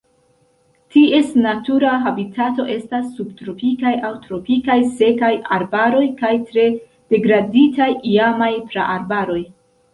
Ties natura habitato estas subtropikaj aŭ tropikaj sekaj arbaroj kaj tre degraditaj iamaj praarbaroj.